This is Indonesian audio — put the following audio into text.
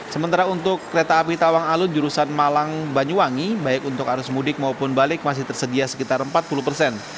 sementara untuk kereta api tawang alun jurusan malang banyuwangi baik untuk arus mudik maupun balik masih tersedia sekitar empat puluh persen